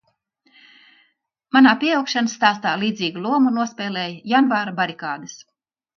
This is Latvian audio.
Manā pieaugšanas stāstā līdzīgu lomu nospēlēja janvāra barikādes.